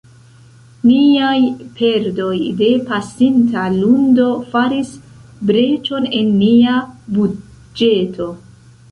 Niaj perdoj de pasinta lundo faris breĉon en nia budĝeto.